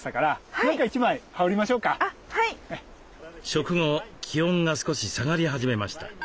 食後気温が少し下がり始めました。